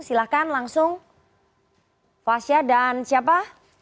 silahkan langsung fasya dan siapa